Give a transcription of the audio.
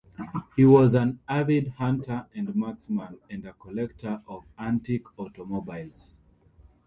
He was an avid hunter and marksman, and a collector of antique automobiles.